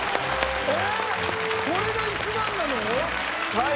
はい。